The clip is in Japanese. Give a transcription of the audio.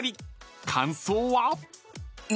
［感想は？］